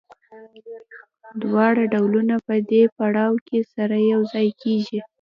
دواړه ډولونه په دې پړاو کې سره یوځای کېږي